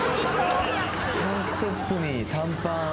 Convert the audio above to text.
タンクトップに短パン。